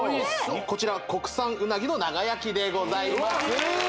こちら国産うなぎの長焼きでございます